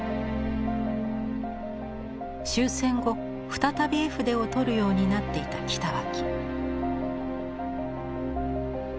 終戦後再び絵筆を執るようになっていた北脇。